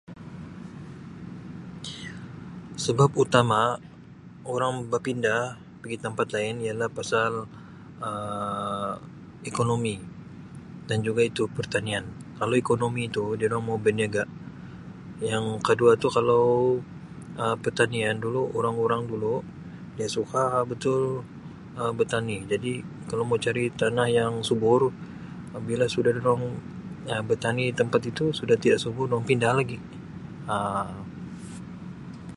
Sebab utama orang bepindah pigi tampat lain ialah pasal Um ekonomi dan juga itu pertanian kalau ekonomi tu dorang mau berniaga yang kedua tu kalau Um pertanian dulu orang-orang dulu dia suka betul Um bertani jadi kalau mau cari tanah yang subur pabila suda dorang Um bertani di tempat itu sudah tidak subur dorang pindah lagi Um